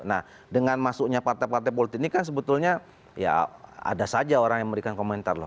nah dengan masuknya partai partai politik ini kan sebetulnya ya ada saja orang yang memberikan komentar loh